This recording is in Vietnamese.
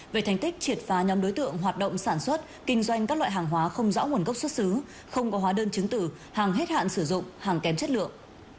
về thành tích triệt phá nhóm đối tượng hoạt động sản xuất kinh doanh các loại hàng hóa không rõ nguồn gốc xuất xứ không có hóa đơn chứng tử hàng hết hạn sử dụng hàng kém chất lượng